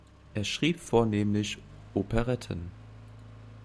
Er schrieb vornehmlich Operetten.